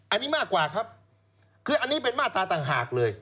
อันนี้มากกว่าครับคืออันนี้เป็นมาตราต่างหากเลย